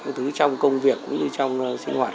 các thứ trong công việc cũng như trong sinh hoạt